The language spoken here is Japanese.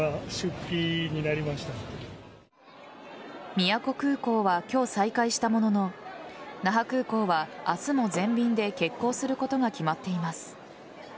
宮古空港は今日再開したものの那覇空港は、明日も全便で欠航することが決まっています。